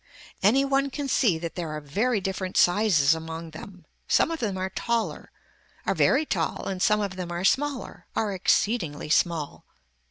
Any one can see that there are very different sizes among them. Some of them are taller, are very tall and some of them are smaller, are exceedingly small.